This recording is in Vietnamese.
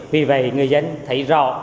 vì vậy người dân thấy rõ